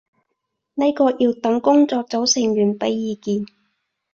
呢個要等工作組成員畀意見